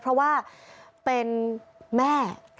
เพราะว่าเป็นแม่